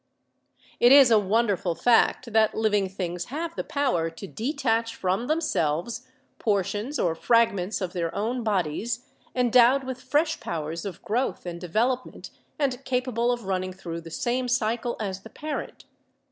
It is a wonderful fact that living things have the power to detach from themselves portions or fragments of their own bodies endowed with fresh powers of growth and de velopment and capable of running through the same cycle as the parent.